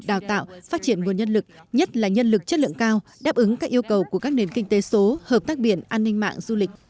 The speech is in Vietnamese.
đào tạo phát triển nguồn nhân lực nhất là nhân lực chất lượng cao đáp ứng các yêu cầu của các nền kinh tế số hợp tác biển an ninh mạng du lịch